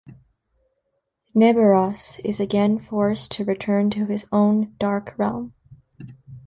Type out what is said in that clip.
Nebiros is again forced to return to his own Dark Realm.